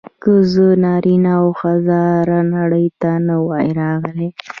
که زه نارینه او هزاره نړۍ ته نه وای راغلی.